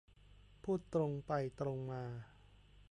พูดตรงไปตรงมา